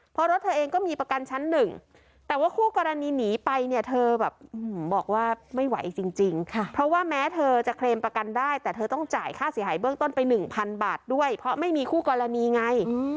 เพราะรถเธอเองก็มีประกันชั้นหนึ่งแต่ว่าคู่กรณีหนีไปเนี่ยเธอแบบบอกว่าไม่ไหวจริงเพราะว่าแม้เธอจะเคลมประกันได้แต่เธอต้องจ่ายค่าเสียหายเบื้องต้นไปหนึ่งพันบาทด้วยเพราะไม่มีคู่กรณีไง